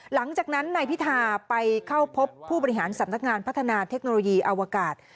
หลังจากนั้นนายพิธาไปเข้าพบผู้บริหารสำนักงานพัฒนาเทคโนโลยีอวกาศ